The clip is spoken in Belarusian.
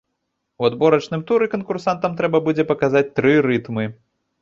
У адборачным туры канкурсантам трэба будзе паказаць тры рытмы.